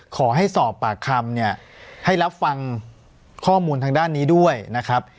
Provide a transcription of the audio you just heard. ขอให้สอบปากคำเนี่ยให้รับฟังข้อมูลทางด้านนี้ด้วยนะครับ